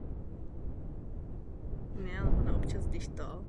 Moči se často vyrábí průmyslově.